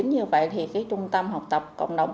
như vậy trung tâm học tập cộng đồng